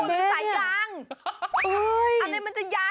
เห้ยเห้ยเห้ยเห้ยใส่ยัง